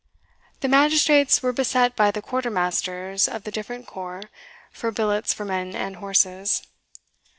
The magistrates were beset by the quarter masters of the different corps for billets for men and horses.